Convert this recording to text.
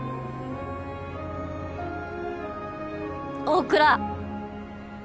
大倉！